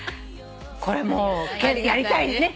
これやりたいね。